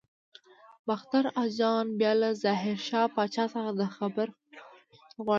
باختر اجان بیا له ظاهر شاه پاچا څخه د خبر خپرولو اجازه غواړي.